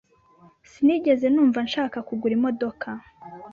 Sinigeze numva nshaka kugura imodoka.